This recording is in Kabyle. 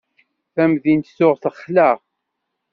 Tamdint tuɣ texla.